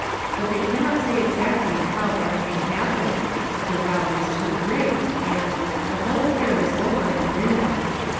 But they cannot say exactly how everything happened, — "the row was too great,' and '"' the whole affair was over in a minute."